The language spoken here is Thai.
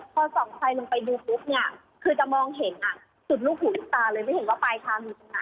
พอส่องไฟลงไปดูปุ๊บเนี่ยคือจะมองเห็นสุดลูกหูลูกตาเลยไม่เห็นว่าปลายทางอยู่ตรงไหน